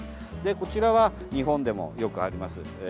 こちらは日本でもよくあります